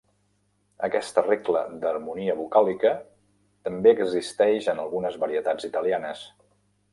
Aquesta regla d'harmonia vocàlica també existeix en algunes varietats italianes.